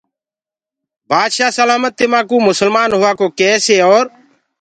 بآدشآه سلآمت تمآنٚڪو مُسلمآن هووآ ڪو ڪيسي اور